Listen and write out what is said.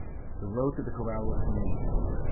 The road to the corral was familiar to him.